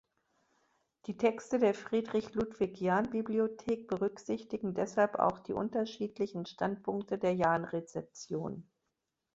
Die Texte der Friedrich-Ludwig-Jahn-Bibliothek berücksichtigen deshalb auch die unterschiedlichen Standpunkte der Jahn-Rezeption.